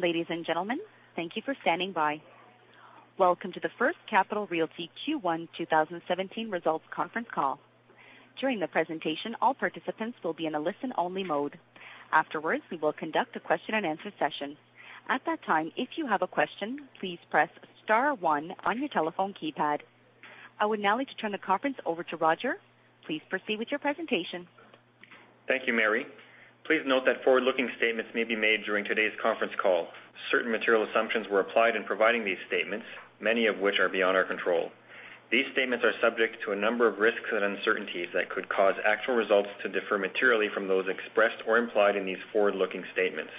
Ladies and gentlemen, thank you for standing by. Welcome to the First Capital Realty Q1 2017 results conference call. During the presentation, all participants will be in a listen-only mode. Afterwards, we will conduct a question and answer session. At that time, if you have a question, please press star one on your telephone keypad. I would now like to turn the conference over to Roger. Please proceed with your presentation. Thank you, Mary. Please note that forward-looking statements may be made during today's conference call. Certain material assumptions were applied in providing these statements, many of which are beyond our control. These statements are subject to a number of risks and uncertainties that could cause actual results to differ materially from those expressed or implied in these forward-looking statements.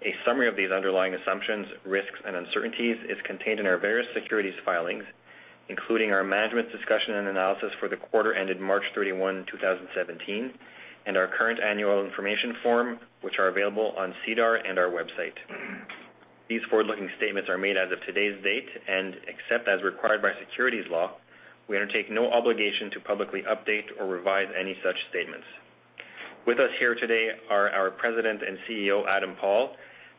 A summary of these underlying assumptions, risks, and uncertainties is contained in our various securities filings, including our management discussion and analysis for the quarter ended March 31, 2017, and our current annual information form, which are available on SEDAR and our website. Except as required by securities law, we undertake no obligation to publicly update or revise any such statements. With us here today are our President and CEO, Adam Paul,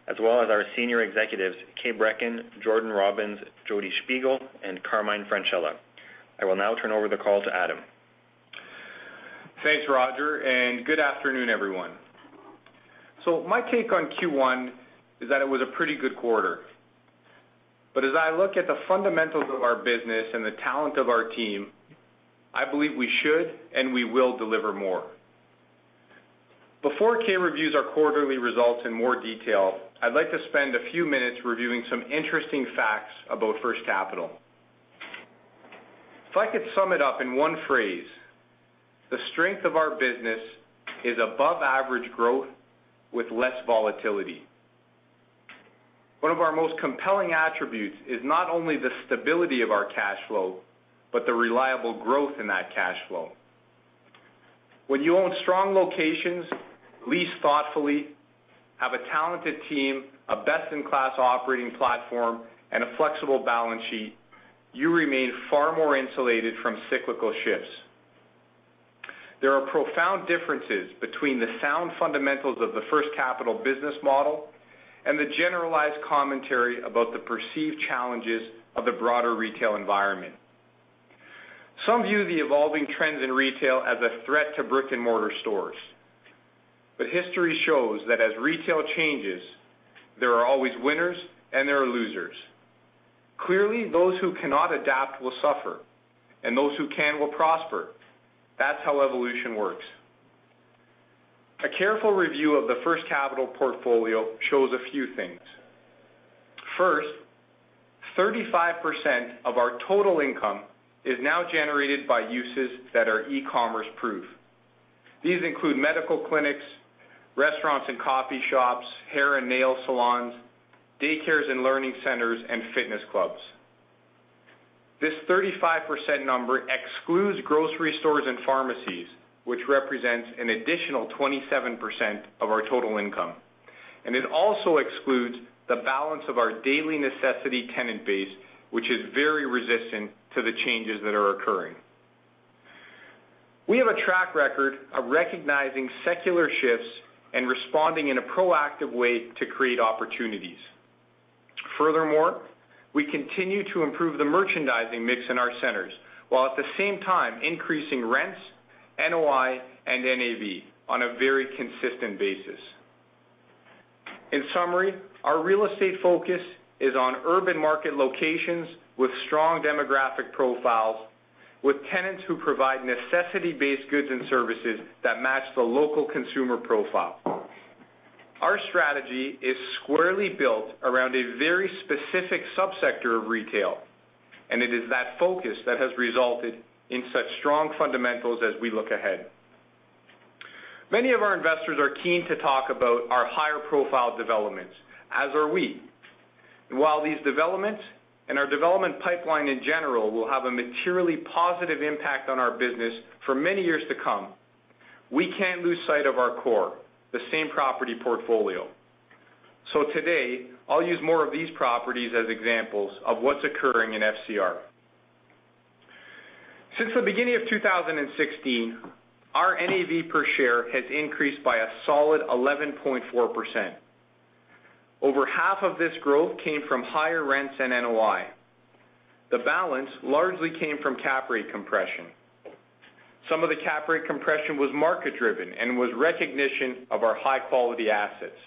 as well as our senior executives, Kay Brekken, Jordan Robins, Jodi Shpigel, and Carmine Francella. I will now turn over the call to Adam. Thanks, Roger. Good afternoon, everyone. My take on Q1 is that it was a pretty good quarter. As I look at the fundamentals of our business and the talent of our team, I believe we should and we will deliver more. Before Kay reviews our quarterly results in more detail, I'd like to spend a few minutes reviewing some interesting facts about First Capital. If I could sum it up in one phrase, the strength of our business is above average growth with less volatility. One of our most compelling attributes is not only the stability of our cash flow, but the reliable growth in that cash flow. When you own strong locations, lease thoughtfully, have a talented team, a best-in-class operating platform, and a flexible balance sheet, you remain far more insulated from cyclical shifts. There are profound differences between the sound fundamentals of the First Capital business model and the generalized commentary about the perceived challenges of the broader retail environment. Some view the evolving trends in retail as a threat to brick-and-mortar stores. History shows that as retail changes, there are always winners and there are losers. Clearly, those who cannot adapt will suffer, and those who can will prosper. That's how evolution works. A careful review of the First Capital portfolio shows a few things. First, 35% of our total income is now generated by uses that are e-commerce proof. These include medical clinics, restaurants and coffee shops, hair and nail salons, daycares and learning centers, and fitness clubs. This 35% number excludes grocery stores and pharmacies, which represents an additional 27% of our total income. It also excludes the balance of our daily necessity tenant base, which is very resistant to the changes that are occurring. We have a track record of recognizing secular shifts and responding in a proactive way to create opportunities. Furthermore, we continue to improve the merchandising mix in our centers, while at the same time increasing rents, NOI, and NAV on a very consistent basis. In summary, our real estate focus is on urban market locations with strong demographic profiles, with tenants who provide necessity-based goods and services that match the local consumer profile. Our strategy is squarely built around a very specific subsector of retail, and it is that focus that has resulted in such strong fundamentals as we look ahead. Many of our investors are keen to talk about our higher profile developments, as are we. While these developments and our development pipeline, in general, will have a materially positive impact on our business for many years to come, we can't lose sight of our core, the same property portfolio. Today, I'll use more of these properties as examples of what's occurring in FCR. Since the beginning of 2016, our NAV per share has increased by a solid 11.4%. Over half of this growth came from higher rents and NOI. The balance largely came from cap rate compression. Some of the cap rate compression was market-driven and was recognition of our high-quality assets.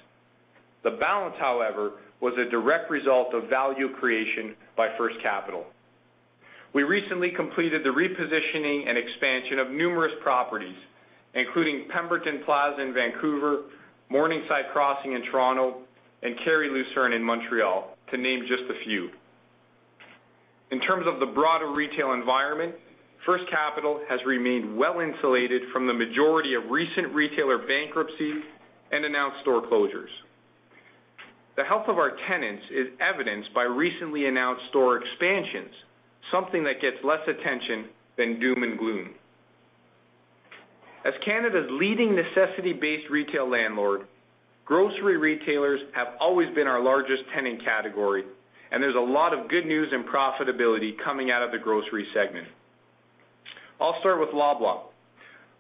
The balance, however, was a direct result of value creation by First Capital. We recently completed the repositioning and expansion of numerous properties, including Pemberton Plaza in Vancouver, Morningside Crossing in Toronto, and Carrefour LaSalle in Montreal, to name just a few. In terms of the broader retail environment, First Capital has remained well-insulated from the majority of recent retailer bankruptcies and announced store closures. The health of our tenants is evidenced by recently announced store expansions, something that gets less attention than doom and gloom. As Canada's leading necessity-based retail landlord, grocery retailers have always been our largest tenant category. There's a lot of good news in profitability coming out of the grocery segment. I'll start with Loblaw.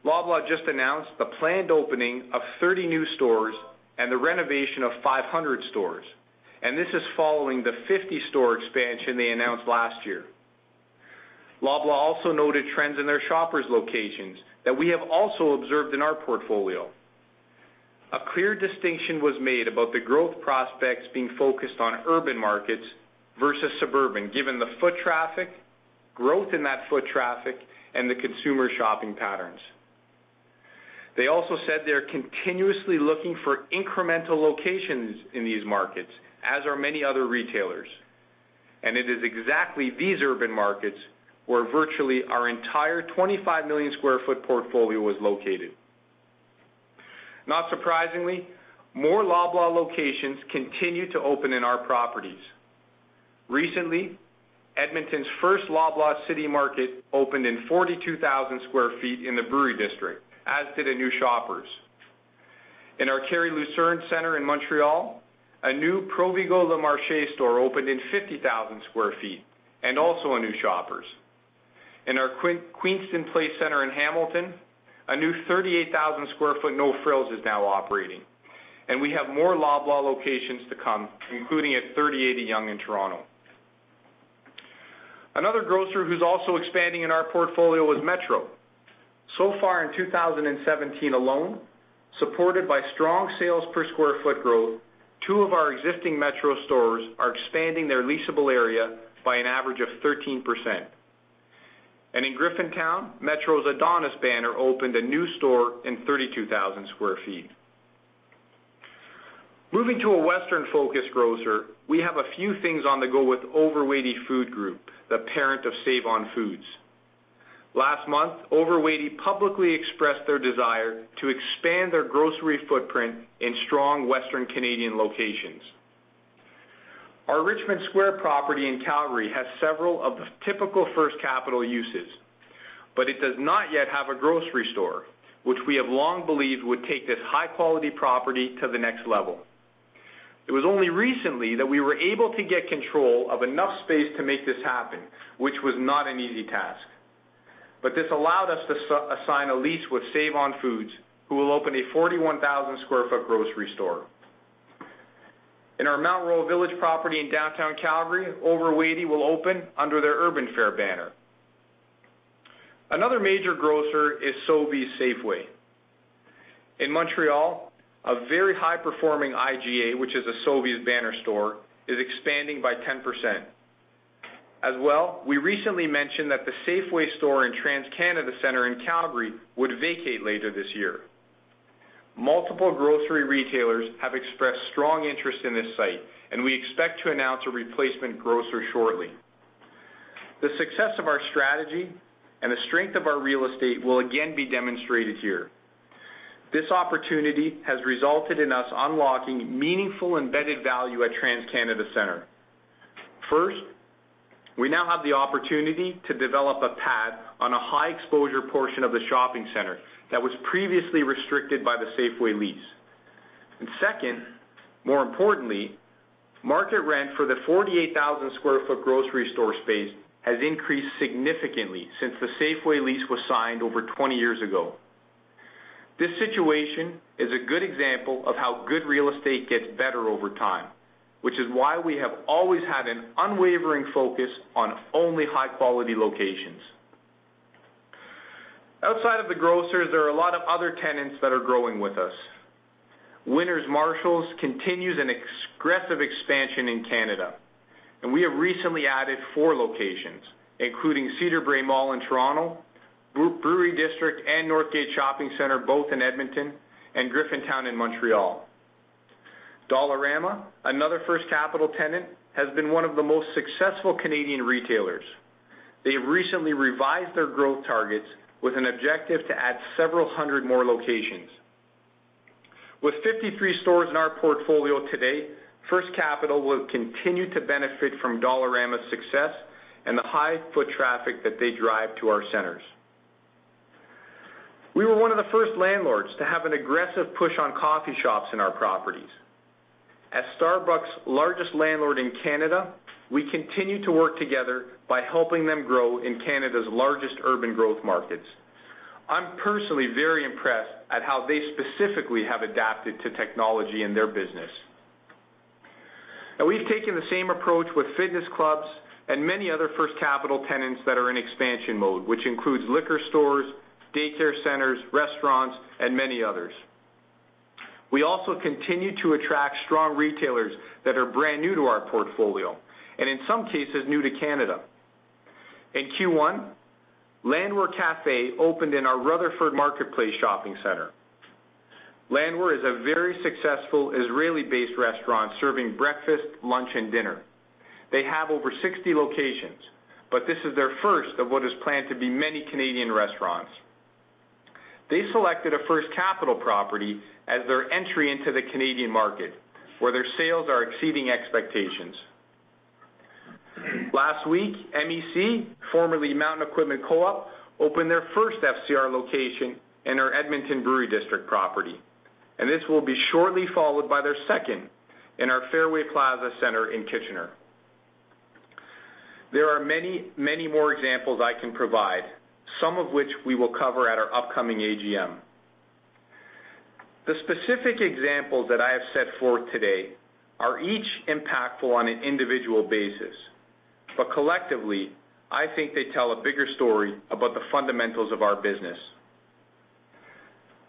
Loblaw just announced the planned opening of 30 new stores and the renovation of 500 stores. This is following the 50-store expansion they announced last year. Loblaw also noted trends in their shoppers' locations that we have also observed in our portfolio. A clear distinction was made about the growth prospects being focused on urban markets versus suburban, given the foot traffic, growth in that foot traffic, and the consumer shopping patterns. They also said they're continuously looking for incremental locations in these markets, as are many other retailers. It is exactly these urban markets where virtually our entire 25 million sq ft portfolio is located. Not surprisingly, more Loblaw locations continue to open in our properties. Recently, Edmonton's first Loblaws City Market opened in 42,000 sq ft in the Brewery District, as did a new Shoppers. In our Carré Lucerne Center in Montreal, a new Provigo Le Marché store opened in 50,000 sq ft, and also a new Shoppers. In our Queenston Place Center in Hamilton, a new 38,000 sq ft No Frills is now operating. We have more Loblaw locations to come, including at 3080 Yonge in Toronto. Another grocer who's also expanding in our portfolio is Metro. So far in 2017 alone, supported by strong sales per sq ft growth, two of our existing Metro stores are expanding their leasable area by an average of 13%. In Griffintown, Metro's Adonis banner opened a new store in 32,000 sq ft. Moving to a Western-focused grocer, we have a few things on the go with Overwaitea Food Group, the parent of Save-On-Foods. Last month, Overwaitea publicly expressed their desire to expand their grocery footprint in strong Western Canadian locations. Our Richmond Square property in Calgary has several of the typical First Capital uses, but it does not yet have a grocery store, which we have long believed would take this high-quality property to the next level. It was only recently that we were able to get control of enough space to make this happen, which was not an easy task. This allowed us to sign a lease with Save-On-Foods, who will open a 41,000 sq ft grocery store. In our Mount Royal Village property in downtown Calgary, Overwaitea will open under their Urban Fare banner. Another major grocer is Sobeys Safeway. In Montreal, a very high performing IGA, which is a Sobeys banner store, is expanding by 10%. As well, we recently mentioned that the Safeway store in TransCanada Centre in Calgary would vacate later this year. Multiple grocery retailers have expressed strong interest in this site, we expect to announce a replacement grocer shortly. The success of our strategy and the strength of our real estate will again be demonstrated here. This opportunity has resulted in us unlocking meaningful embedded value at TransCanada Centre. First, we now have the opportunity to develop a pad on a high exposure portion of the shopping center that was previously restricted by the Safeway lease. Second, more importantly, market rent for the 48,000 sq ft grocery store space has increased significantly since the Safeway lease was signed over 20 years ago. This situation is a good example of how good real estate gets better over time, which is why we have always had an unwavering focus on only high-quality locations. Outside of the grocers, there are a lot of other tenants that are growing with us. Winners/Marshalls continues an aggressive expansion in Canada, and we have recently added four locations, including Cedarbrae Mall in Toronto, Brewery District and Northgate Centre, both in Edmonton, and Griffintown in Montreal. Dollarama, another First Capital tenant, has been one of the most successful Canadian retailers. They recently revised their growth targets with an objective to add several hundred more locations. With 53 stores in our portfolio today, First Capital will continue to benefit from Dollarama's success and the high foot traffic that they drive to our centers. We were one of the first landlords to have an aggressive push on coffee shops in our properties. As Starbucks largest landlord in Canada, we continue to work together by helping them grow in Canada's largest urban growth markets. I'm personally very impressed at how they specifically have adapted to technology in their business. We've taken the same approach with fitness clubs and many other First Capital tenants that are in expansion mode, which includes liquor stores, daycare centers, restaurants, and many others. We also continue to attract strong retailers that are brand new to our portfolio, and in some cases, new to Canada. In Q1, Landwer Cafe opened in our Rutherford Marketplace Shopping Center. Landwer is a very successful Israeli-based restaurant serving breakfast, lunch, and dinner. They have over 60 locations, but this is their first of what is planned to be many Canadian restaurants. They selected a First Capital property as their entry into the Canadian market, where their sales are exceeding expectations. Last week, MEC, formerly Mountain Equipment Co-op, opened their first FCR location in our Edmonton Brewery District property, and this will be shortly followed by their second in our Fairway Plaza Center in Kitchener. There are many more examples I can provide, some of which we will cover at our upcoming AGM. The specific examples that I have set forth today are each impactful on an individual basis, but collectively, I think they tell a bigger story about the fundamentals of our business.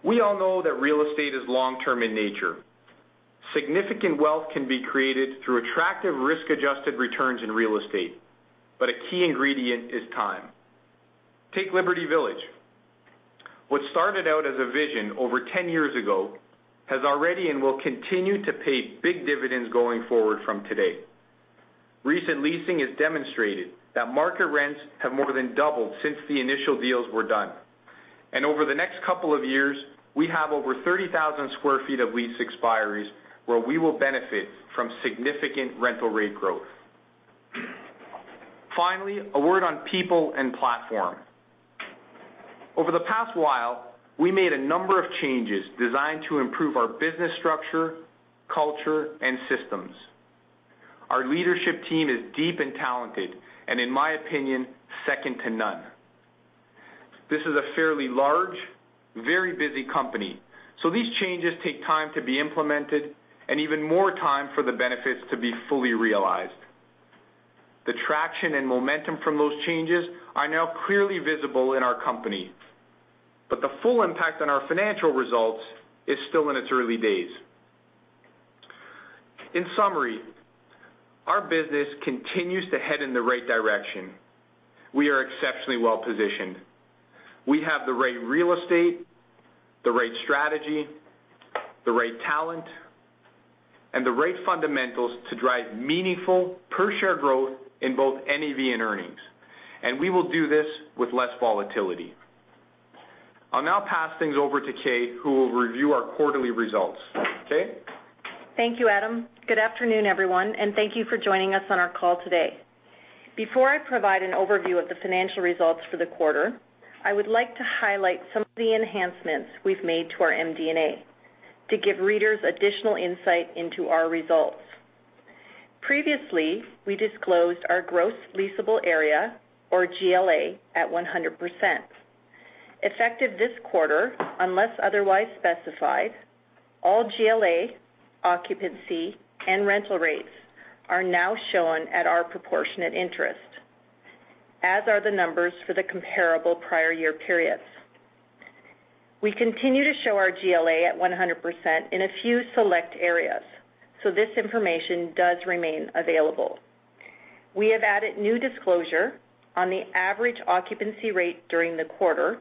We all know that real estate is long-term in nature. Significant wealth can be created through attractive risk-adjusted returns in real estate, but a key ingredient is time. Take Liberty Village. What started out as a vision over 10 years ago has already, and will continue, to pay big dividends going forward from today. Recent leasing has demonstrated that market rents have more than doubled since the initial deals were done. Over the next couple of years, we have over 30,000 square feet of lease expiries where we will benefit from significant rental rate growth. Finally, a word on people and platform. Over the past while, we made a number of changes designed to improve our business structure, culture, and systems. Our leadership team is deep and talented, and in my opinion, second to none. This is a fairly large, very busy company, so these changes take time to be implemented and even more time for the benefits to be fully realized. The traction and momentum from those changes are now clearly visible in our company, but the full impact on our financial results is still in its early days. In summary, our business continues to head in the right direction. We are exceptionally well-positioned. We have the right real estate, the right strategy, the right talent, and the right fundamentals to drive meaningful per-share growth in both NAV and earnings. We will do this with less volatility. I'll now pass things over to Kate, who will review our quarterly results. Kay? Thank you, Adam. Good afternoon, everyone, and thank you for joining us on our call today. Before I provide an overview of the financial results for the quarter, I would like to highlight some of the enhancements we've made to our MD&A to give readers additional insight into our results. Previously, we disclosed our gross leasable area, or GLA, at 100%. Effective this quarter, unless otherwise specified, all GLA, occupancy, and rental rates are now shown at our proportionate interest, as are the numbers for the comparable prior year periods. We continue to show our GLA at 100% in a few select areas, this information does remain available. We have added new disclosure on the average occupancy rate during the quarter,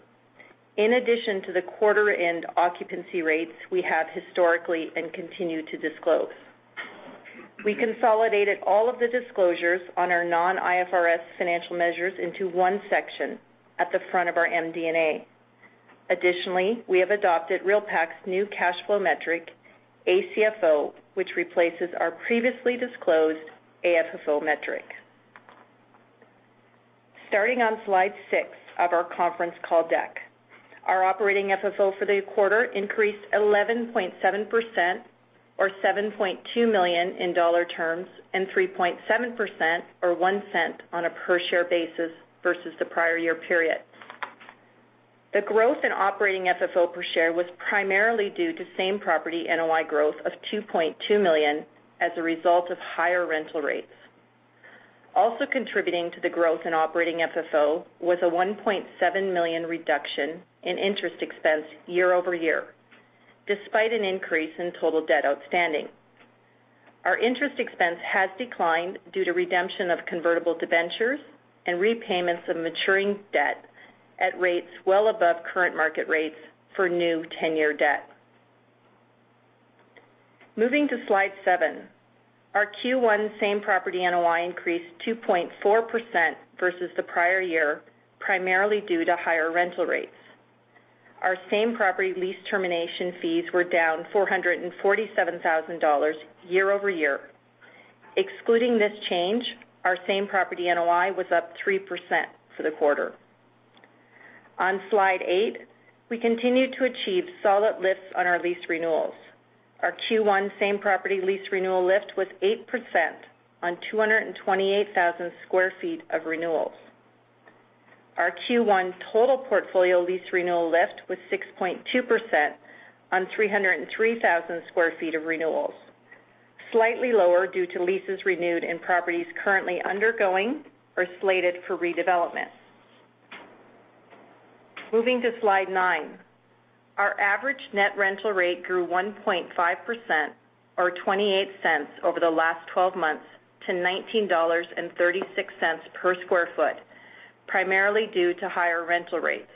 in addition to the quarter-end occupancy rates we have historically and continue to disclose. We consolidated all of the disclosures on our non-IFRS financial measures into one section at the front of our MD&A. Additionally, we have adopted REALpac's new cash flow metric, ACFO, which replaces our previously disclosed AFFO metric. Starting on slide six of our conference call deck. Our operating FFO for the quarter increased 11.7%, or 7.2 million in dollar terms and 3.7%, or 0.01 on a per-share basis versus the prior year period. The growth in operating FFO per share was primarily due to same-property NOI growth of 2.2 million as a result of higher rental rates. Also contributing to the growth in operating FFO was a 1.7 million reduction in interest expense year-over-year, despite an increase in total debt outstanding. Our interest expense has declined due to redemption of convertible debentures and repayments of maturing debt at rates well above current market rates for new 10-year debt. Moving to slide seven. Our Q1 same-property NOI increased 2.4% versus the prior year, primarily due to higher rental rates. Our same-property lease termination fees were down 447,000 dollars year-over-year. Excluding this change, our same-property NOI was up 3% for the quarter. On slide eight, we continued to achieve solid lifts on our lease renewals. Our Q1 same-property lease renewal lift was 8% on 228,000 square feet of renewals. Our Q1 total portfolio lease renewal lift was 6.2% on 303,000 square feet of renewals, slightly lower due to leases renewed and properties currently undergoing or slated for redevelopment. Moving to slide nine. Our average net rental rate grew 1.5%, or 0.28 over the last 12 months to 19.36 dollars per square foot, primarily due to higher rental rates.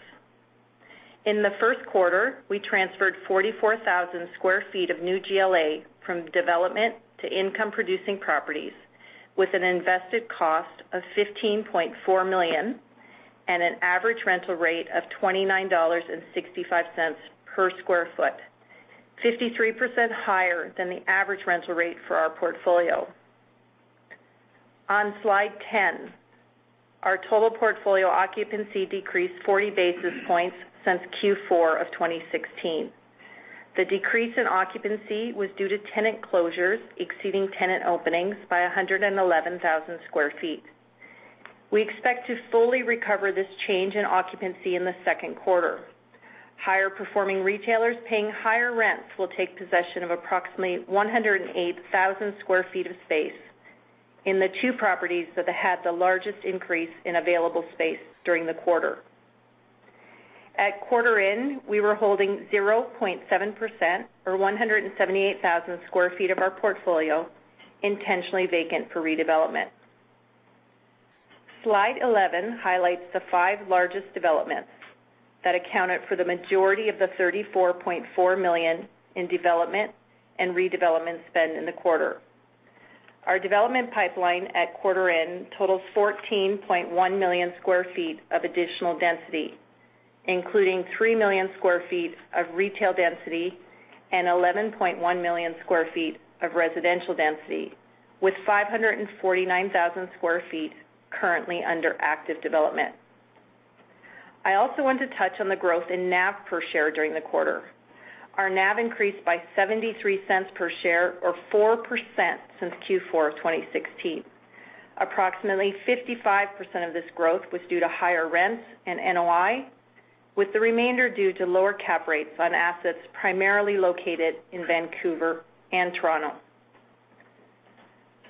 In the first quarter, we transferred 44,000 square feet of new GLA from development to income-producing properties with an invested cost of 15.4 million and an average rental rate of 29.65 dollars per square foot, 53% higher than the average rental rate for our portfolio. On slide 10 Our total portfolio occupancy decreased 40 basis points since Q4 of 2016. The decrease in occupancy was due to tenant closures exceeding tenant openings by 111,000 square feet. We expect to fully recover this change in occupancy in the second quarter. Higher-performing retailers paying higher rents will take possession of approximately 108,000 square feet of space in the two properties that had the largest increase in available space during the quarter. At quarter end, we were holding 0.7%, or 178,000 square feet of our portfolio intentionally vacant for redevelopment. Slide 11 highlights the five largest developments that accounted for the majority of the 34.4 million in development and redevelopment spend in the quarter. Our development pipeline at quarter end totals 14.1 million square feet of additional density, including three million square feet of retail density and 11.1 million square feet of residential density, with 549,000 square feet currently under active development. I also want to touch on the growth in NAV per share during the quarter. Our NAV increased by 0.73 per share or 4% since Q4 of 2016. Approximately 55% of this growth was due to higher rents and NOI, with the remainder due to lower cap rates on assets primarily located in Vancouver and Toronto.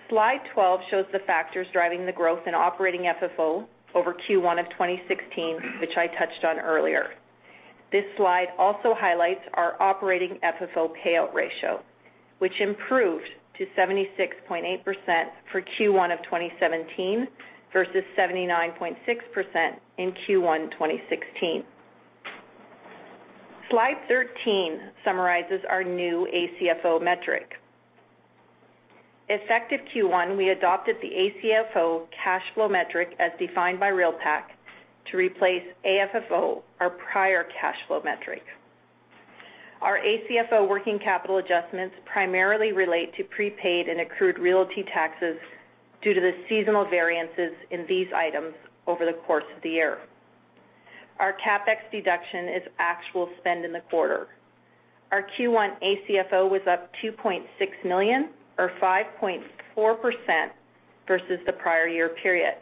Slide 12 shows the factors driving the growth in operating FFO over Q1 of 2016, which I touched on earlier. This slide also highlights our operating FFO payout ratio, which improved to 76.8% for Q1 of 2017 versus 79.6% in Q1 2016. Slide 13 summarizes our new ACFO metric. Effective Q1, we adopted the ACFO cash flow metric as defined by REALpac to replace AFFO, our prior cash flow metric. Our ACFO working capital adjustments primarily relate to prepaid and accrued realty taxes due to the seasonal variances in these items over the course of the year. Our CapEx deduction is actual spend in the quarter. Our Q1 ACFO was up 2.6 million or 5.4% versus the prior year period.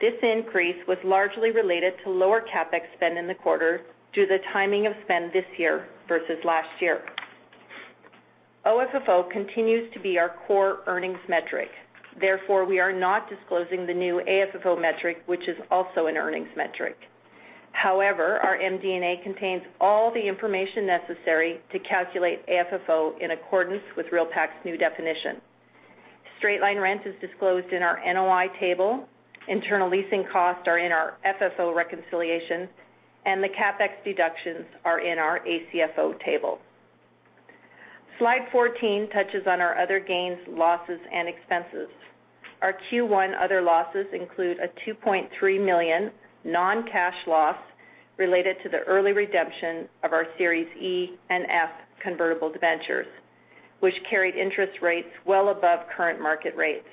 This increase was largely related to lower CapEx spend in the quarter due to the timing of spend this year versus last year. OFFO continues to be our core earnings metric. Therefore, we are not disclosing the new AFFO metric, which is also an earnings metric. However, our MD&A contains all the information necessary to calculate AFFO in accordance with REALpac's new definition. Straight-line rent is disclosed in our NOI table, internal leasing costs are in our FFO reconciliation, and the CapEx deductions are in our ACFO table. Slide 14 touches on our other gains, losses, and expenses. Our Q1 other losses include a 2.3 million non-cash loss related to the early redemption of our Series E and F convertible debentures, which carried interest rates well above current market rates.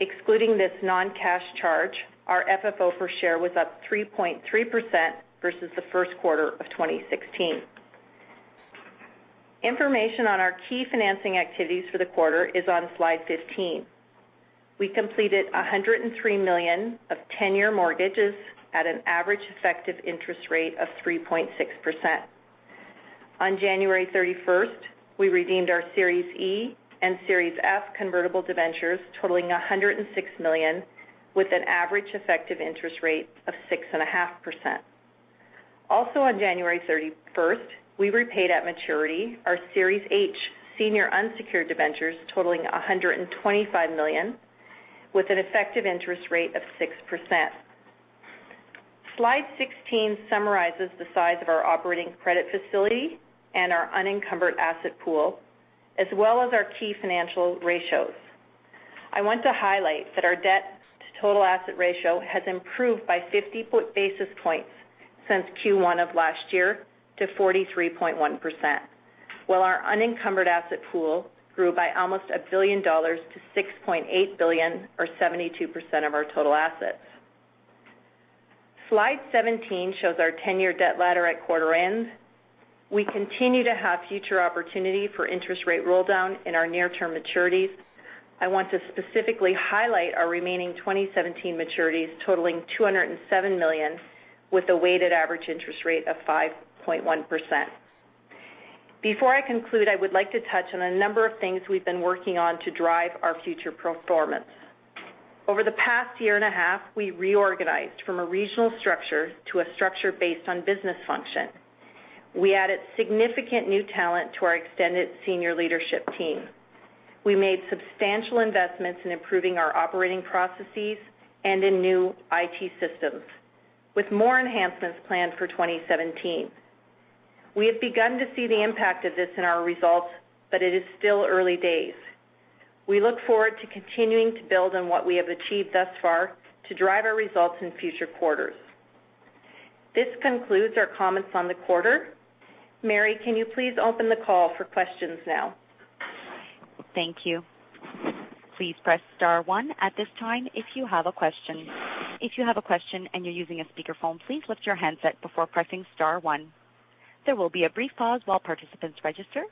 Excluding this non-cash charge, our FFO per share was up 3.3% versus the first quarter of 2016. Information on our key financing activities for the quarter is on slide 15. We completed 103 million of tenure mortgages at an average effective interest rate of 3.6%. On January 31st, we redeemed our Series E and Series F convertible debentures totaling 106 million with an average effective interest rate of 6.5%. Also on January 31st, we repaid at maturity our Series H senior unsecured debentures totaling 125 million with an effective interest rate of 6%. Slide 16 summarizes the size of our operating credit facility and our unencumbered asset pool, as well as our key financial ratios. I want to highlight that our debt-to-total-asset ratio has improved by 50 basis points since Q1 of last year to 43.1%, while our unencumbered asset pool grew by almost 1 billion dollars to 6.8 billion or 72% of our total assets. Slide 17 shows our 10-year debt ladder at quarter end. We continue to have future opportunity for interest rate roll-down in our near-term maturities. I want to specifically highlight our remaining 2017 maturities totaling 207 million with a weighted average interest rate of 5.1%. Before I conclude, I would like to touch on a number of things we've been working on to drive our future performance. Over the past year and a half, we reorganized from a regional structure to a structure based on business function. We added significant new talent to our extended senior leadership team. We made substantial investments in improving our operating processes and in new IT systems, with more enhancements planned for 2017. We have begun to see the impact of this in our results, but it is still early days. We look forward to continuing to build on what we have achieved thus far to drive our results in future quarters. This concludes our comments on the quarter. Mary, can you please open the call for questions now? Thank you. Please press star one at this time if you have a question. If you have a question and you're using a speakerphone, please lift your handset before pressing star one. There will be a brief pause while participants register.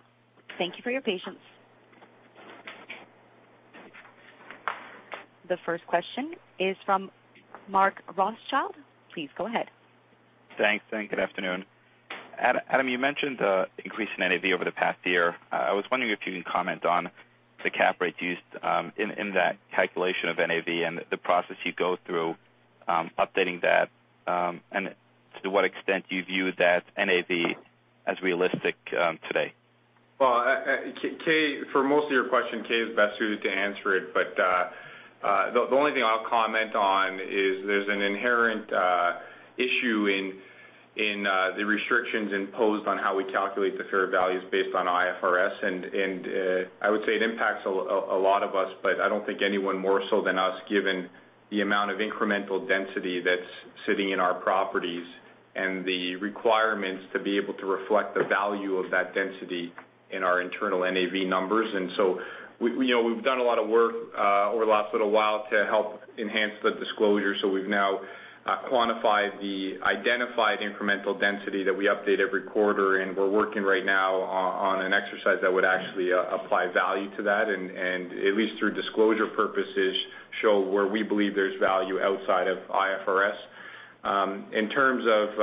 Thank you for your patience. The first question is from Mark Rothschild. Please go ahead. Thanks. Good afternoon. Adam, you mentioned the increase in NAV over the past year. I was wondering if you can comment on the cap rate used, in that calculation of NAV and the process you go through, updating that, and to what extent do you view that NAV as realistic today? Well, for most of your question, Kay is best suited to answer it. The only thing I'll comment on is there's an inherent issue in the restrictions imposed on how we calculate the fair values based on IFRS. I would say it impacts a lot of us. I don't think anyone more so than us, given the amount of incremental density that's sitting in our properties and the requirements to be able to reflect the value of that density in our internal NAV numbers. We've done a lot of work, over the last little while to help enhance the disclosure. We've now quantified the identified incremental density that we update every quarter. We're working right now on an exercise that would actually apply value to that and at least through disclosure purposes, show where we believe there's value outside of IFRS. In terms of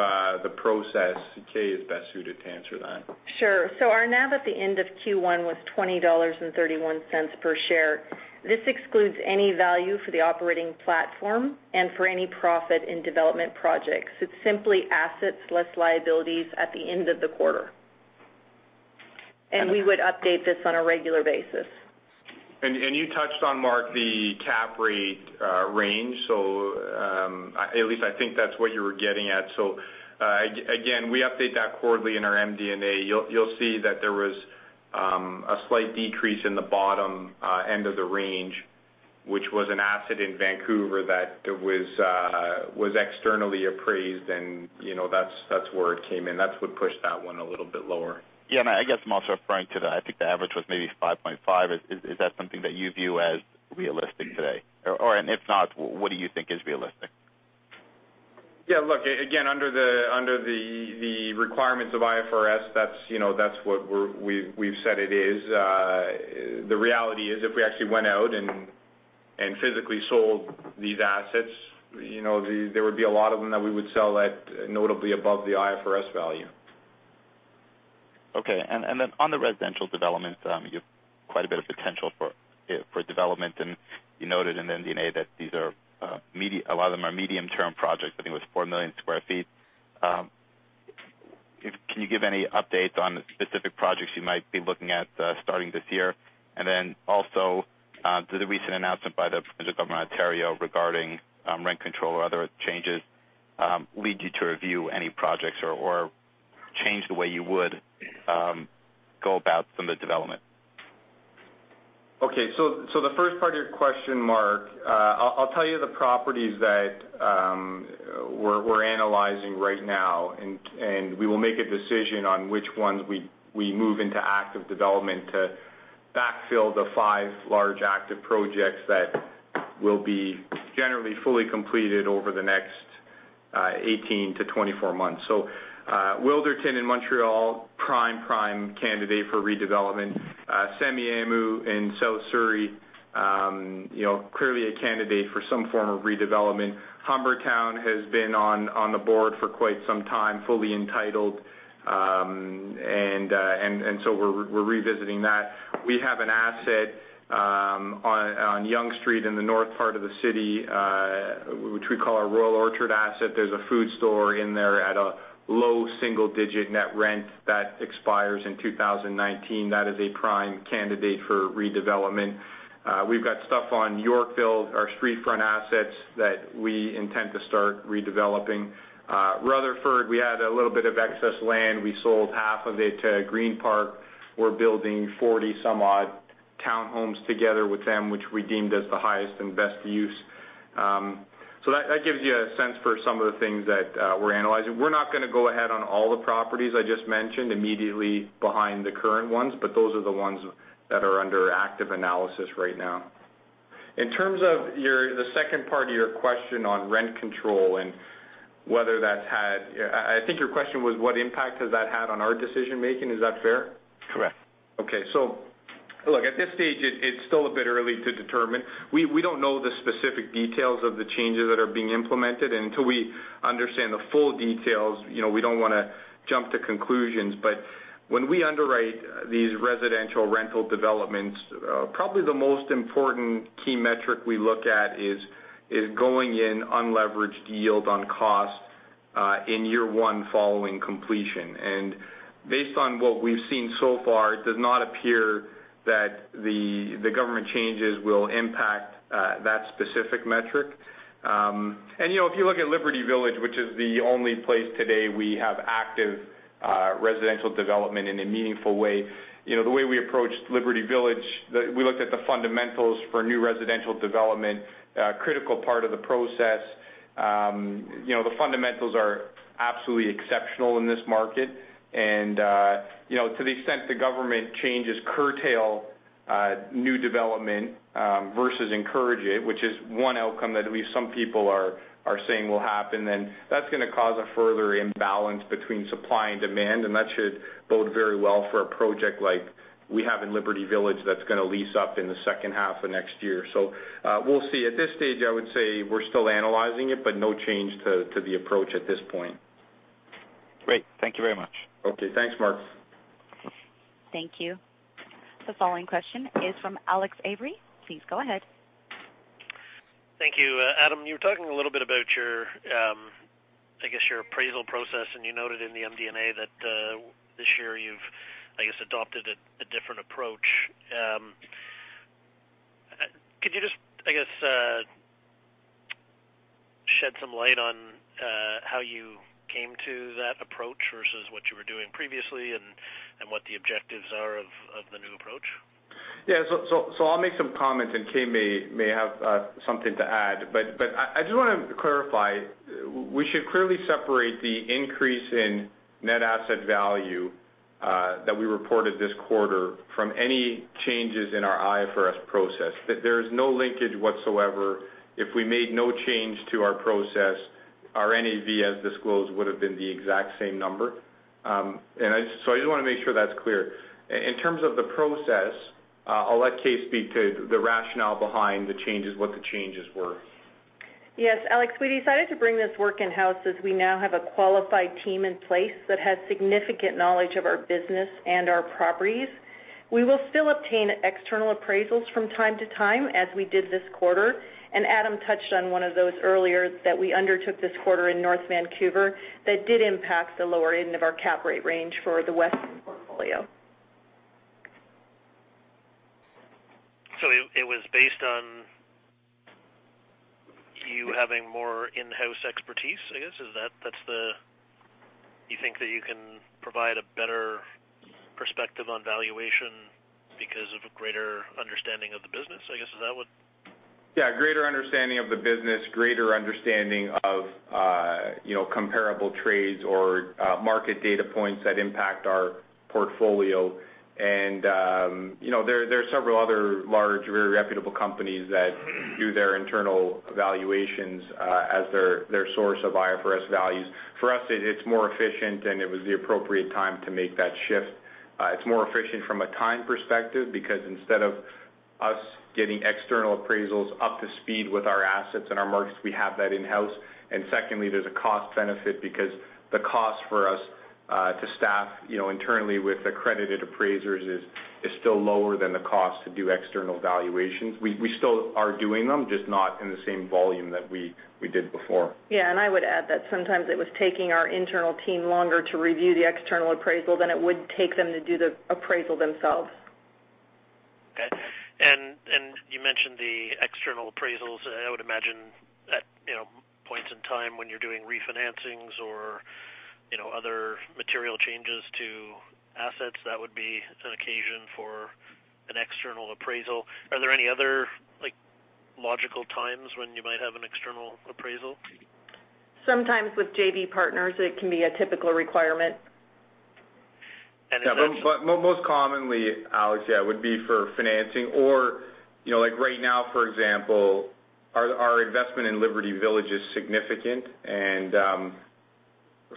the process, Kay is best suited to answer that. Sure. Our NAV at the end of Q1 was 20.31 dollars per share. This excludes any value for the operating platform and for any profit in development projects. It's simply assets less liabilities at the end of the quarter. We would update this on a regular basis. You touched on, Mark, the cap rate range. At least I think that's what you were getting at. Again, we update that quarterly in our MD&A. You'll see that there was a slight decrease in the bottom end of the range, which was an asset in Vancouver that was externally appraised and that's where it came in. That's what pushed that one a little bit lower. Yeah, I guess I'm also referring to the I think the average was maybe 5.5%. Is that something that you view as realistic today? If not, what do you think is realistic? Look, again, under the requirements of IFRS, that's what we've said it is. The reality is if we actually went out and physically sold these assets, there would be a lot of them that we would sell at notably above the IFRS value. Okay. On the residential development, you've quite a bit of potential for development, and you noted in the MD&A that a lot of them are medium-term projects. I think it was 4 million sq ft. Can you give any updates on specific projects you might be looking at, starting this year? Also, did the recent announcement by the Government of Ontario regarding rent control or other changes, lead you to review any projects or change the way you would go about some of the development? Okay. The first part of your question, Mark, I'll tell you the properties that we're analyzing right now, and we will make a decision on which ones we move into active development to backfill the five large active projects that will be generally fully completed over the next 18-24 months. Wilderton in Montreal, prime candidate for redevelopment. Semiahmoo in South Surrey, clearly a candidate for some form of redevelopment. Humbertown has been on the board for quite some time, fully entitled. So we're revisiting that. We have an asset on Yonge Street in the north part of the city, which we call our Royal Orchard asset. There's a food store in there at a low single-digit net rent that expires in 2019. That is a prime candidate for redevelopment. We've got stuff on Yorkville, our street front assets that we intend to start redeveloping. Rutherford, we had a little bit of excess land. We sold half of it to Greenpark. We're building 40 some odd townhomes together with them, which we deemed as the highest and best use. That gives you a sense for some of the things that we're analyzing. We're not going to go ahead on all the properties I just mentioned immediately behind the current ones, those are the ones that are under active analysis right now. In terms of the second part of your question on rent control, I think your question was what impact has that had on our decision-making. Is that fair? Correct. Okay. Look, at this stage, it's still a bit early to determine. We don't know the specific details of the changes that are being implemented. Until we understand the full details, we don't want to jump to conclusions. When we underwrite these residential rental developments, probably the most important key metric we look at is going in unleveraged yield on cost, in year one following completion. Based on what we've seen so far, it does not appear that the government changes will impact that specific metric. If you look at Liberty Village, which is the only place today we have active residential development in a meaningful way. The way we approached Liberty Village, we looked at the fundamentals for new residential development, a critical part of the process. The fundamentals are absolutely exceptional in this market. To the extent the government changes curtail new development versus encourage it, which is one outcome that at least some people are saying will happen, that's going to cause a further imbalance between supply and demand. That should bode very well for a project like we have in Liberty Village that's going to lease up in the second half of next year. We'll see. At this stage, I would say we're still analyzing it, but no change to the approach at this point. Great. Thank you very much. Okay. Thanks, Mark. Thank you. The following question is from Alex Avery. Please go ahead. Thank you. Adam, you were talking a little bit about your appraisal process. You noted in the MD&A that, this year you've adopted a different approach. Could you just shed some light on how you came to that approach versus what you were doing previously and what the objectives are of the new approach? I'll make some comments and Kay may have something to add. I do want to clarify, we should clearly separate the increase in net asset value, that we reported this quarter from any changes in our IFRS process. There is no linkage whatsoever. If we made no change to our process, our NAV as disclosed would've been the exact same number. I just want to make sure that's clear. In terms of the process, I'll let Kay speak to the rationale behind the changes, what the changes were. Alex, we decided to bring this work in-house as we now have a qualified team in place that has significant knowledge of our business and our properties. We will still obtain external appraisals from time to time, as we did this quarter. Adam touched on one of those earlier that we undertook this quarter in North Vancouver, that did impact the lower end of our cap rate range for the Weston portfolio. It was based on you having more in-house expertise, I guess. You think that you can provide a better perspective on valuation because of a greater understanding of the business, I guess? Is that what? Yeah, greater understanding of the business, greater understanding of comparable trades or market data points that impact our portfolio. There are several other large, very reputable companies that do their internal valuations, as their source of IFRS values. For us, it's more efficient, and it was the appropriate time to make that shift. It's more efficient from a time perspective because instead of us getting external appraisals up to speed with our assets and our markets, we have that in-house. Secondly, there's a cost benefit because the cost for us, to staff internally with accredited appraisers is still lower than the cost to do external valuations. We still are doing them, just not in the same volume that we did before. Yeah. I would add that sometimes it was taking our internal team longer to review the external appraisal than it would take them to do the appraisal themselves. Okay. You mentioned the external appraisals. I would imagine that points in time when you're doing refinancings or other material changes to assets, that would be an occasion for an external appraisal. Are there any other logical times when you might have an external appraisal? Sometimes with JV partners, it can be a typical requirement. Yeah. Most commonly, Alex, yeah, it would be for financing or, like right now, for example, our investment in Liberty Village is significant, and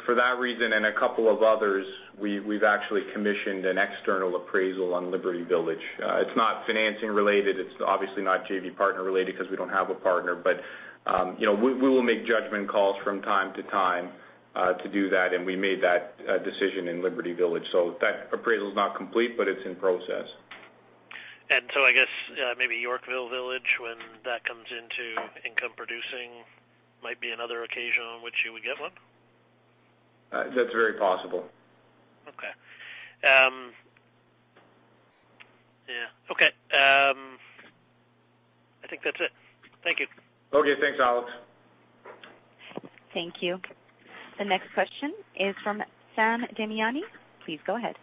for that reason and a couple of others, we've actually commissioned an external appraisal on Liberty Village. It's not financing related, it's obviously not JV partner related because we don't have a partner. We will make judgment calls from time to time, to do that, and we made that decision in Liberty Village. That appraisal's not complete, but it's in process. I guess, maybe Yorkville Village, when that comes into income-producing, might be another occasion on which you would get one? That's very possible. Okay. I think that's it. Thank you. Okay, thanks, Alex. Thank you. The next question is from Sam Damiani. Please go ahead.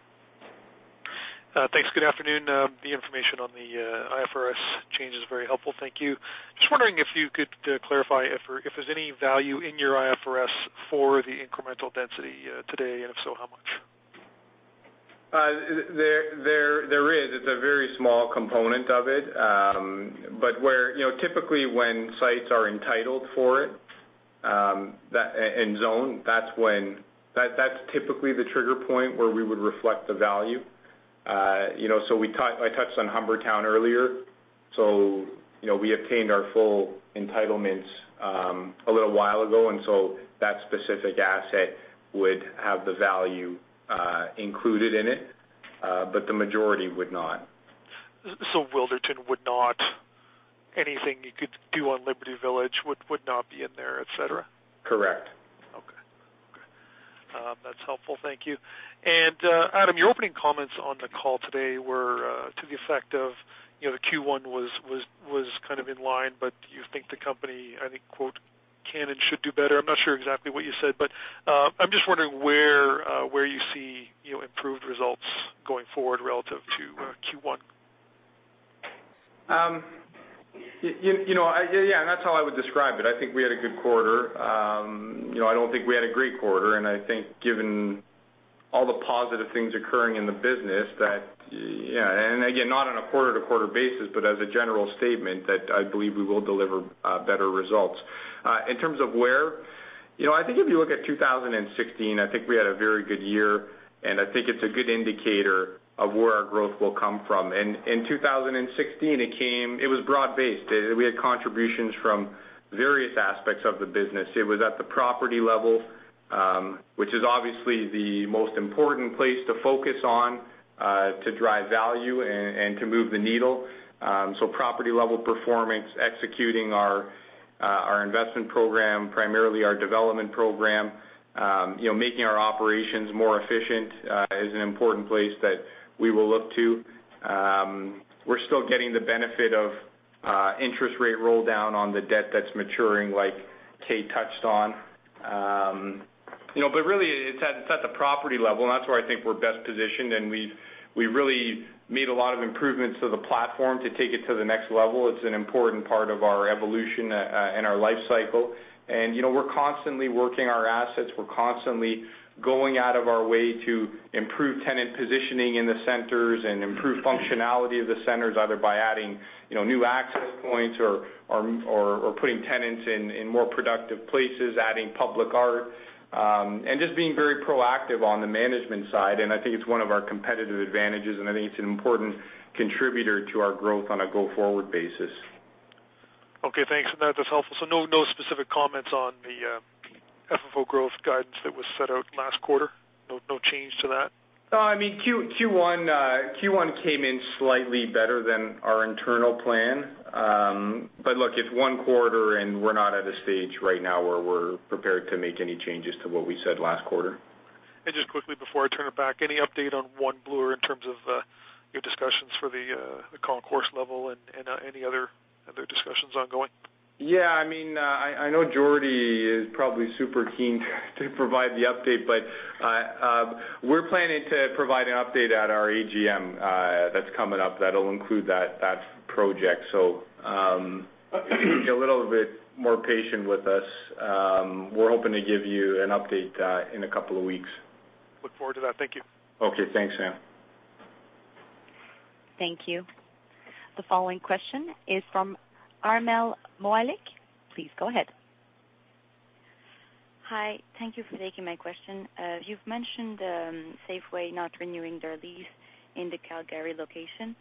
Thanks. Good afternoon. The information on the IFRS change is very helpful. Thank you. Just wondering if you could clarify if there's any value in your IFRS for the incremental density today, and if so, how much? There is. It's a very small component of it. Typically, when sites are entitled for it, and zoned, that's typically the trigger point where we would reflect the value. I touched on Humbertown earlier. We obtained our full entitlements a little while ago, and so that specific asset would have the value included in it, but the majority would not. Wilderton would not, anything you could do on Liberty Village would not be in there, et cetera? Correct. Okay. That's helpful. Thank you. Adam, your opening comments on the call today were to the effect of, the Q1 was kind of in line, you think the company, I think, quote, "Can and should do better." I'm not sure exactly what you said, I'm just wondering where you see improved results going forward relative to Q1. Yeah, that's how I would describe it. I think we had a good quarter. I don't think we had a great quarter, I think given all the positive things occurring in the business that, and again, not on a quarter-to-quarter basis, but as a general statement, that I believe we will deliver better results. In terms of where, I think if you look at 2016, I think we had a very good year, it's a good indicator of where our growth will come from. In 2016, it was broad-based. We had contributions from various aspects of the business. It was at the property level, which is obviously the most important place to focus on, to drive value, and to move the needle. Property-level performance, executing our investment program, primarily our development program, making our operations more efficient is an important place that we will look to. We're still getting the benefit of interest rate roll down on the debt that's maturing, like Kay touched on. Really, it's at the property level, and that's where I think we're best positioned, and we really made a lot of improvements to the platform to take it to the next level. It's an important part of our evolution, and our life cycle. We're constantly working our assets. We're constantly going out of our way to improve tenant positioning in the centers and improve functionality of the centers, either by adding new access points or putting tenants in more productive places, adding public art, and just being very proactive on the management side. I think it's one of our competitive advantages, and I think it's an important contributor to our growth on a go-forward basis. Okay, thanks. That's helpful. No specific comments on the FFO growth guidance that was set out last quarter? No change to that? No, Q1 came in slightly better than our internal plan. Look, it's one quarter, and we're not at a stage right now where we're prepared to make any changes to what we said last quarter. Just quickly before I turn it back, any update on One Bloor in terms of your discussions for the concourse level and any other discussions ongoing? Yeah, I know Jordy is probably super keen to provide the update, but we're planning to provide an update at our AGM that will include that project. Be a little bit more patient with us. We're hoping to give you an update in a couple of weeks. Look forward to that. Thank you. Okay, thanks, Sam. Thank you. The following question is from Armel Mawalik. Please go ahead. Hi. Thank you for taking my question. You've mentioned Safeway not renewing their lease in the Calgary location.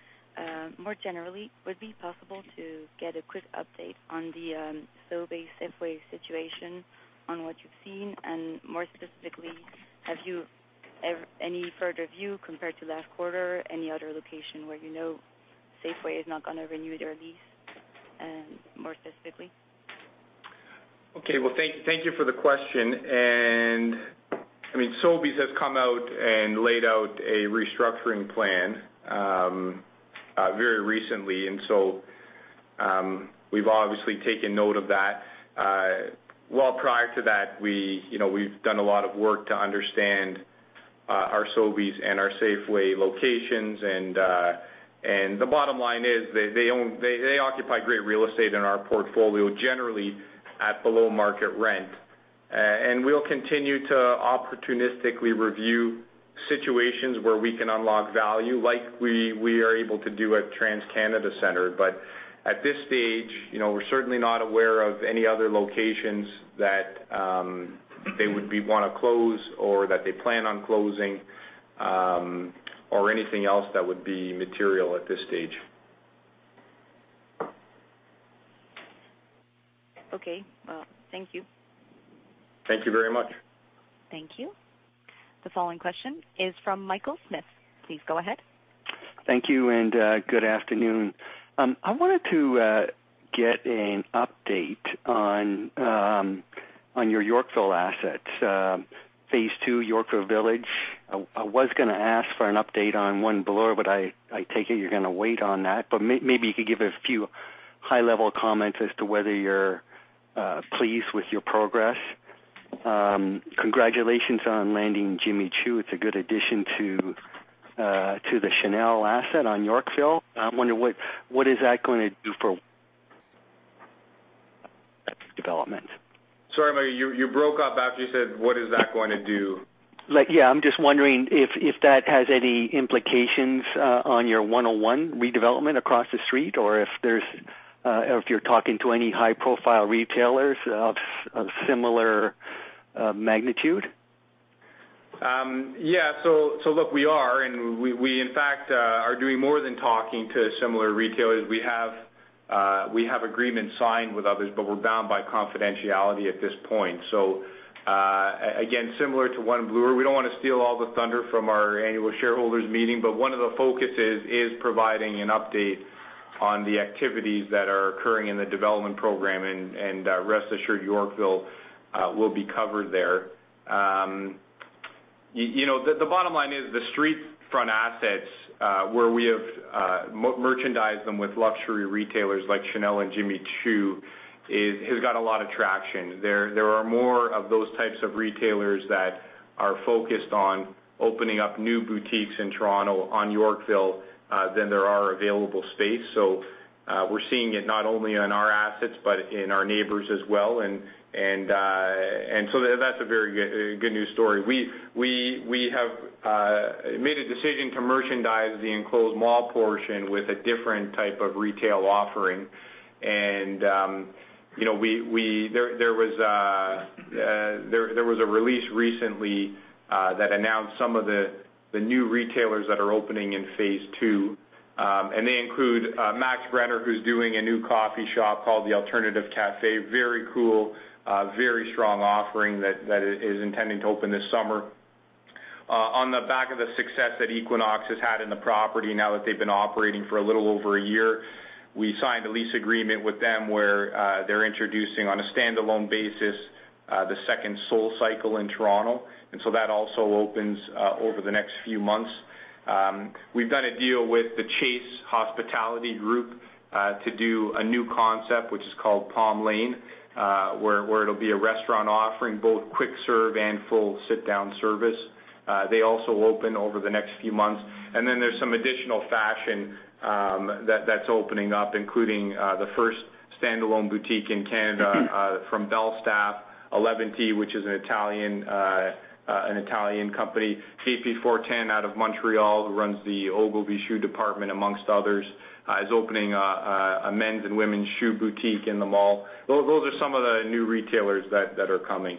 More generally, would it be possible to get a quick update on the Sobeys Safeway situation on what you've seen? More specifically, have you any further view compared to last quarter, any other location where you know Safeway is not going to renew their lease more specifically? Okay. Well, thank you for the question. Sobeys has come out and laid out a restructuring plan very recently, so we've obviously taken note of that. Well, prior to that, we've done a lot of work to understand our Sobeys and our Safeway locations, and the bottom line is they occupy great real estate in our portfolio, generally at below-market rent. We'll continue to opportunistically review situations where we can unlock value like we are able to do at TransCanada Centre. At this stage, we're certainly not aware of any other locations that they would want to close or that they plan on closing, or anything else that would be material at this stage. Okay. Well, thank you. Thank you very much. Thank you. The following question is from Michael Markidis. Please go ahead. Thank you, and good afternoon. I wanted to get an update on your Yorkville assets. Phase 2 Yorkville Village. I was going to ask for an update on One Bloor, but I take it you're going to wait on that, but maybe you could give a few high-level comments as to whether you're pleased with your progress. Congratulations on landing Jimmy Choo. It's a good addition to the Chanel asset on Yorkville. I wonder what is that going to do for development. Sorry, you broke up after you said, what is that going to do? Yeah, I'm just wondering if that has any implications on your 101 redevelopment across the street, or if you're talking to any high-profile retailers of similar magnitude. Yeah. Look, we are, and we in fact are doing more than talking to similar retailers. We have agreements signed with others, but we're bound by confidentiality at this point. Again, similar to One Bloor, we don't want to steal all the thunder from our annual shareholders meeting, but one of the focuses is providing an update on the activities that are occurring in the development program, and rest assured, Yorkville will be covered there. The bottom line is the street front assets, where we have merchandised them with luxury retailers like Chanel and Jimmy Choo has got a lot of traction. There are more of those types of retailers that are focused on opening up new boutiques in Toronto on Yorkville than there are available space. We're seeing it not only on our assets but in our neighbors as well. That's a very good news story. We have made a decision to merchandise the enclosed mall portion with a different type of retail offering. There was a release recently that announced some of the new retailers that are opening in phase 2. They include Max Brenner, who's doing a new coffee shop called The Alternative Cafe, very cool, very strong offering that is intending to open this summer. On the back of the success that Equinox has had in the property now that they've been operating for a little over a year, we signed a lease agreement with them where they're introducing, on a standalone basis, the second SoulCycle in Toronto. That also opens over the next few months. We've done a deal with the Chase Hospitality Group, to do a new concept, which is called Palm Lane, where it'll be a restaurant offering both quick serve and full sit-down service. They also open over the next few months. There's some additional fashion that's opening up, including, the first standalone boutique in Canada from Belstaff, Eleventy, which is an Italian company. CP410 out of Montreal, who runs the Ogilvy shoe department, amongst others, is opening a men's and women's shoe boutique in the mall. Those are some of the new retailers that are coming.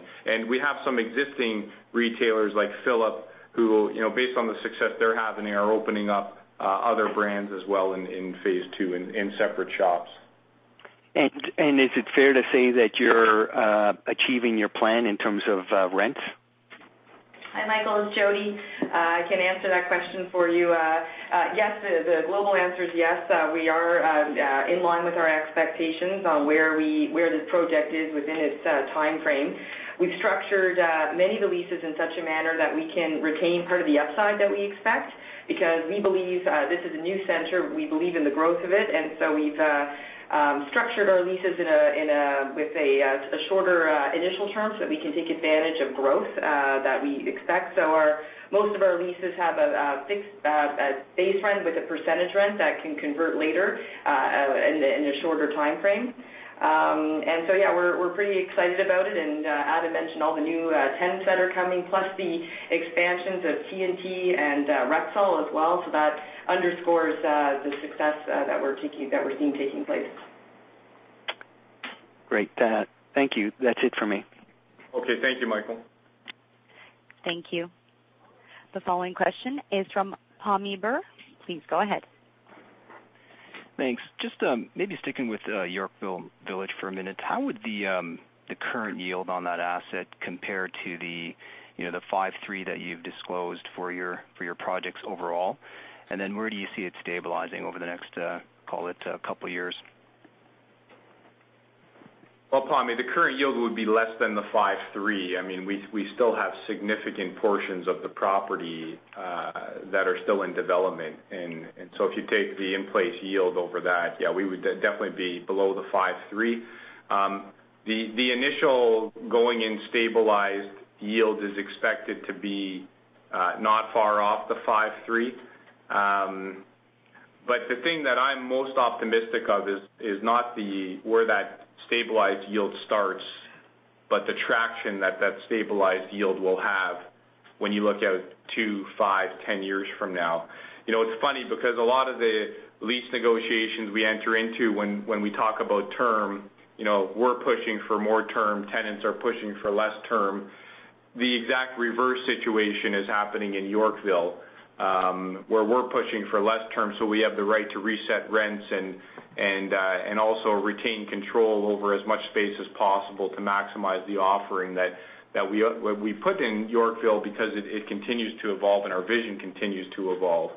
We have some existing retailers like Philipp who, based on the success they're having, are opening up other brands as well in phase 2 in separate shops. Is it fair to say that you're achieving your plan in terms of rents? Hi, Michael, it's Jodi. I can answer that question for you. Yes, the global answer is yes. We are in line with our expectations on where this project is within its timeframe. We've structured many of the leases in such a manner that we can retain part of the upside that we expect, because we believe this is a new center. We believe in the growth of it, so we've structured our leases with a shorter initial term so that we can take advantage of growth that we expect. Most of our leases have a base rent with a percentage rent that can convert later, in a shorter timeframe. So yeah, we're pretty excited about it, Adam mentioned all the new tenants that are coming, plus the expansions of T&T and Rexall as well, so that underscores the success that we're seeing taking place. Great. Thank you. That's it from me. Okay. Thank you, Michael. Thank you. The following question is from Pammi Bir. Please go ahead. Thanks. Just maybe sticking with Yorkville Village for a minute. How would the current yield on that asset compare to the 5/3 that you've disclosed for your projects overall? Where do you see it stabilizing over the next, call it, couple years? Well, Pammi, the current yield would be less than the 5/3. We still have significant portions of the property that are still in development. So if you take the in-place yield over that, yeah, we would definitely be below the 5/3. The initial going-in stabilized yield is expected to be not far off the 5/3. The thing that I'm most optimistic of is not where that stabilized yield starts, but the traction that that stabilized yield will have when you look out two, five, 10 years from now. It's funny because a lot of the lease negotiations we enter into when we talk about term, we're pushing for more term, tenants are pushing for less term. The exact reverse situation is happening in Yorkville, where we're pushing for less term, so we have the right to reset rents and also retain control over as much space as possible to maximize the offering that we put in Yorkville because it continues to evolve, and our vision continues to evolve.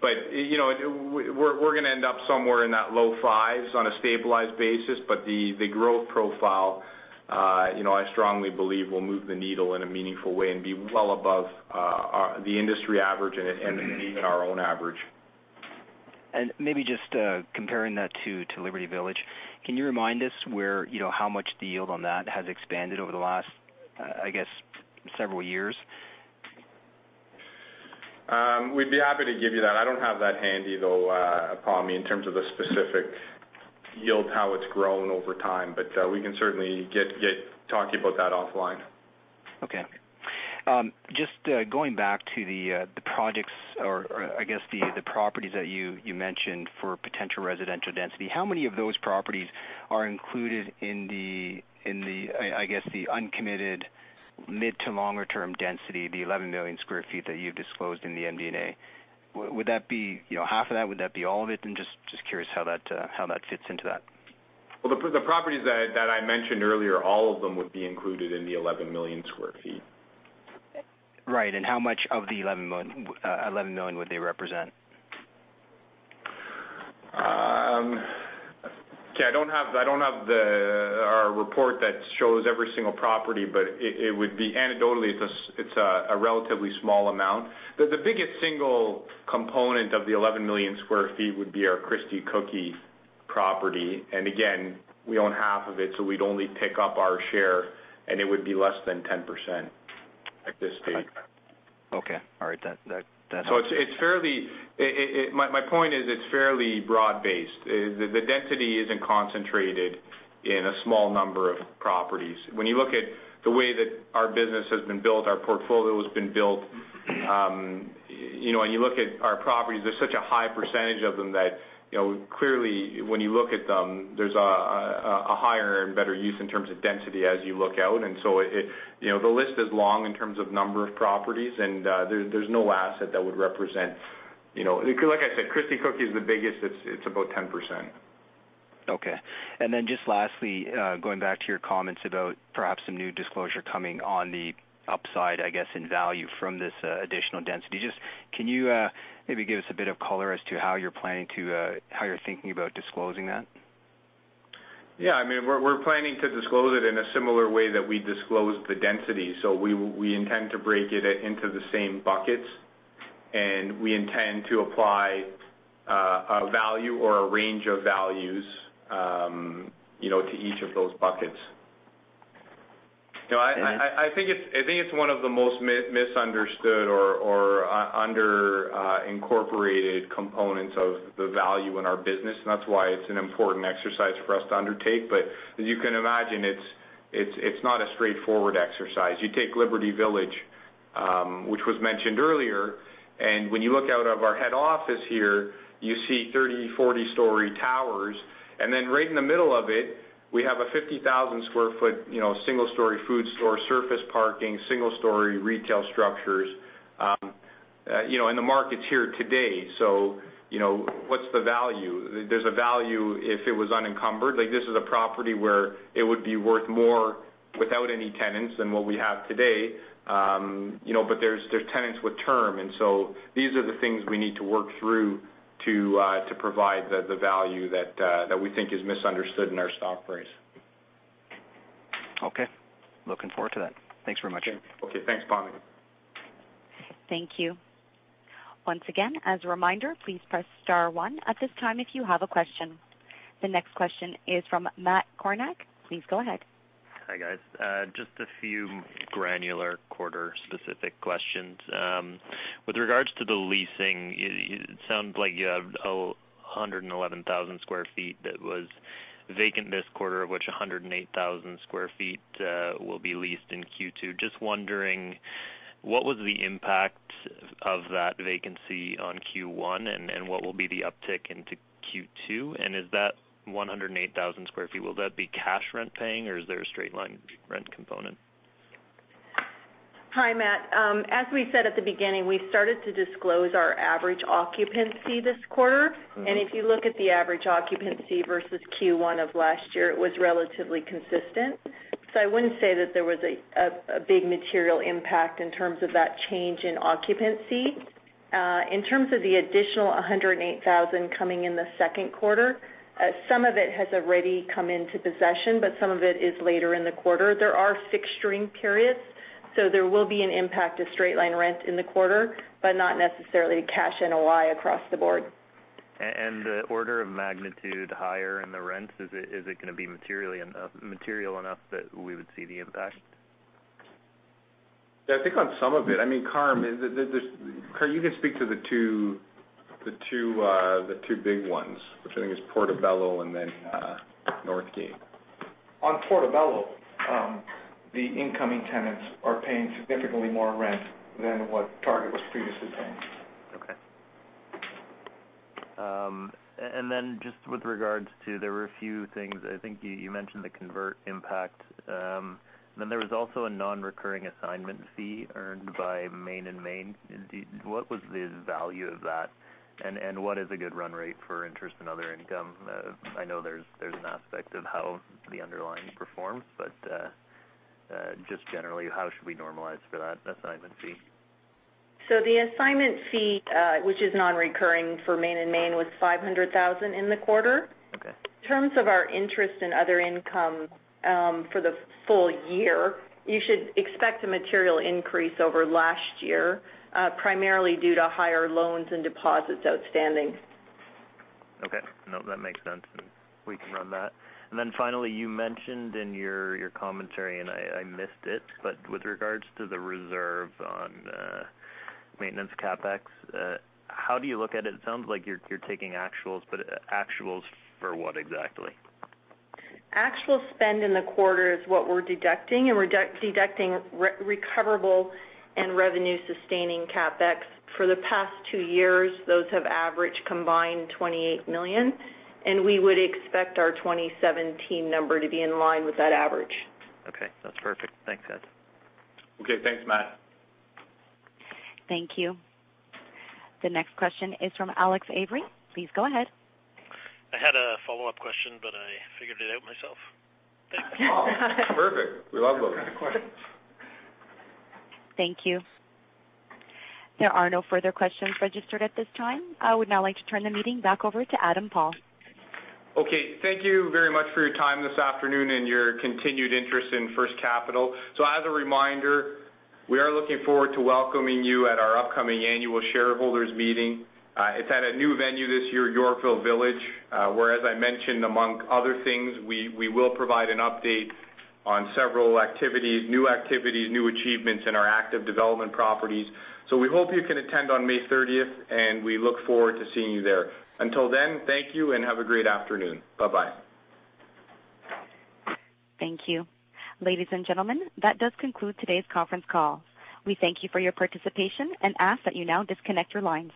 We're going to end up somewhere in that low fives on a stabilized basis, but the growth profile, I strongly believe will move the needle in a meaningful way and be well above the industry average and even our own average. maybe just comparing that to Liberty Village. Can you remind us how much the yield on that has expanded over the last, I guess, several years? We'd be happy to give you that. I don't have that handy, though, Pammi, in terms of the specific yield, how it's grown over time. We can certainly talk to you about that offline. Just going back to the projects, or I guess, the properties that you mentioned for potential residential density. How many of those properties are included in the, I guess, the uncommitted mid to longer-term density, the 11 million sq ft that you've disclosed in the MD&A? Would that be half of that? Would that be all of it? I'm just curious how that fits into that. The properties that I mentioned earlier, all of them would be included in the 11 million sq ft. Right. How much of the 11 million would they represent? Okay, I don't have our report that shows every single property, but anecdotally, it's a relatively small amount. The biggest single component of the 11 million square feet would be our Christie Cookie property. Again, we own half of it, so we'd only pick up our share, and it would be less than 10% at this stage. Okay. All right. That helps. My point is, it's fairly broad-based. The density isn't concentrated in a small number of properties. When you look at the way that our business has been built, our portfolio has been built, when you look at our properties, there's such a high percentage of them that, clearly when you look at them, there's a higher and better use in terms of density as you look out. The list is long in terms of number of properties, and there's no asset that would represent. Like I said, Christie Cookie is the biggest. It's about 10%. Okay. Lastly, going back to your comments about perhaps some new disclosure coming on the upside, I guess, in value from this additional density. Can you maybe give us a bit of color as to how you're thinking about disclosing that? Yeah. We're planning to disclose it in a similar way that we disclosed the density. We intend to break it into the same buckets, and we intend to apply a value or a range of values to each of those buckets. I think it's one of the most misunderstood or under-incorporated components of the value in our business. That's why it's an important exercise for us to undertake. As you can imagine, it's not a straightforward exercise. You take Liberty Village, which was mentioned earlier, when you look out of our head office here, you see 30, 40-story towers. Right in the middle of it, we have a 50,000 sq ft single-story food store, surface parking, single-story retail structures, and the market's here today. What's the value? There's a value if it was unencumbered. This is a property where it would be worth more without any tenants than what we have today. There's tenants with term. These are the things we need to work through to provide the value that we think is misunderstood in our stock price. Okay. Looking forward to that. Thanks very much. Okay. Thanks, Pammi Bir. Thank you. Once again, as a reminder, please press star one at this time if you have a question. The next question is from Matt Kornack. Please go ahead. Hi, guys. Just a few granular quarter-specific questions. With regards to the leasing, it sounds like you have 111,000 square feet that was vacant this quarter, of which 108,000 square feet will be leased in Q2. Just wondering, what was the impact of that vacancy on Q1, and what will be the uptick into Q2? Is that 108,000 square feet, will that be cash rent paying, or is there a straight-line rent component? Hi, Matt. As we said at the beginning, we started to disclose our average occupancy this quarter, if you look at the average occupancy versus Q1 of last year, it was relatively consistent. I wouldn't say that there was a big material impact in terms of that change in occupancy. In terms of the additional 108,000 coming in the second quarter, some of it has already come into possession, but some of it is later in the quarter. There are fixturing periods, there will be an impact to straight-line rent in the quarter, but not necessarily cash NOI across the board. The order of magnitude higher in the rents, is it going to be material enough that we would see the impact? Yeah, I think on some of it. Carm, you can speak to the two big ones, which I think is Portobello and then Northgate. On Portobello, the incoming tenants are paying significantly more rent than what Target was previously paying. Okay. Just with regards to, there were a few things. I think you mentioned the convert impact. Then there was also a non-recurring assignment fee earned by Main & Main. What was the value of that, and what is a good run rate for interest in other income? I know there's an aspect of how the underlying performs, but just generally, how should we normalize for that assignment fee? The assignment fee, which is non-recurring for Main & Main, was 500,000 in the quarter. Okay. In terms of our interest in other income for the full year, you should expect a material increase over last year, primarily due to higher loans and deposits outstanding. Okay. No, that makes sense. We can run that. Finally, you mentioned in your commentary, I missed it, but with regards to the reserve on maintenance CapEx, how do you look at it? It sounds like you're taking actuals, but actuals for what exactly? Actual spend in the quarter is what we're deducting, and we're deducting recoverable and revenue-sustaining CapEx. For the past two years, those have averaged a combined 28 million, and we would expect our 2017 number to be in line with that average. Okay. That's perfect. Thanks, guys. Okay. Thanks, Matt. Thank you. The next question is from Alex Avery. Please go ahead. I had a follow-up question, but I figured it out myself. Oh, perfect. We love those kind of questions. Thank you. There are no further questions registered at this time. I would now like to turn the meeting back over to Adam Paul. Thank you very much for your time this afternoon and your continued interest in First Capital. As a reminder, we are looking forward to welcoming you at our upcoming annual shareholders meeting. It is at a new venue this year, Yorkville Village, where, as I mentioned, among other things, we will provide an update on several activities, new activities, new achievements in our active development properties. We hope you can attend on May 30th, and we look forward to seeing you there. Until then, thank you and have a great afternoon. Bye-bye. Thank you. Ladies and gentlemen, that does conclude today's conference call. We thank you for your participation and ask that you now disconnect your lines.